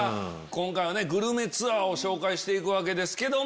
今回はグルメツアーを紹介していくわけですけども。